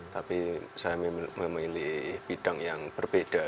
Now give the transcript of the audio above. tapi saya memilih bidang yang berbeda